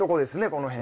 この辺。